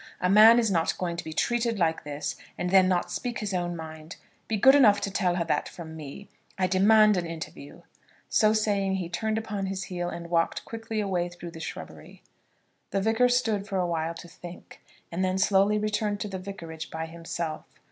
A man is not going to be treated like this, and then not speak his own mind. Be good enough to tell her that from me. I demand an interview." So saying he turned upon his heel, and walked quickly away through the shrubbery. The Vicar stood for awhile to think, and then slowly returned to the vicarage by himself.